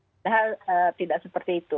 padahal tidak seperti itu